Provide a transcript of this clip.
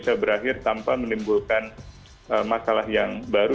karena ini benar benar bisa berakhir tanpa menimbulkan masalah yang baru